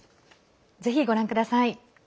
ぜひご覧ください。